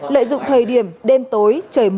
lợi dụng thời điểm đêm tối trời bóng